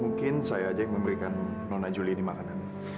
mungkin saya aja yang memberikan nona juli ini makanan